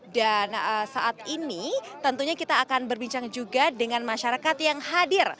dan saat ini tentunya kita akan berbincang juga dengan masyarakat yang hadir